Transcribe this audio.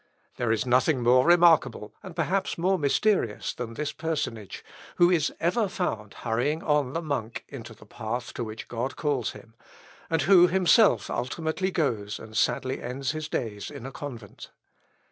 There is nothing more remarkable, and perhaps more mysterious, than this personage, who is ever found hurrying on the monk into the path to which God calls him; and who himself ultimately goes and sadly ends his days in a convent.